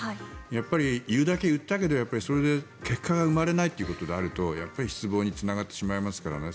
やっぱり言うだけ言ったけどそれで結果が生まれないということであるとやっぱり失望につながってしまいますからね。